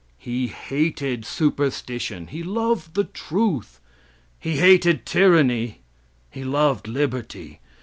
He hated superstition; he loved the truth. He hated tyranny; he loved liberty.